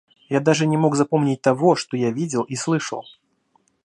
Я даже не мог запомнить того, что я видел и слышал.